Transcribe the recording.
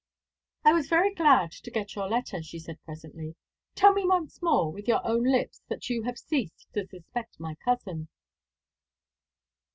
"I was very glad to get your letter," she said presently. "Tell me once more with your own lips that you have ceased to suspect my cousin."